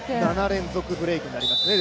７連続ブレイクになりますね